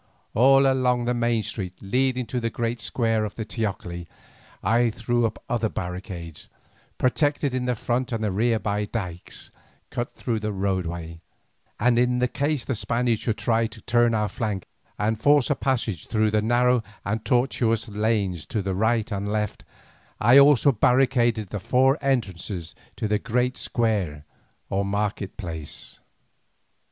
All along the main street leading to the great square of the teocalli I threw up other barricades, protected in the front and rear by dykes cut through the roadway, and in case the Spaniards should try to turn our flank and force a passage through the narrow and tortuous lanes to the right and left, I also barricaded the four entrances to the great square or market place.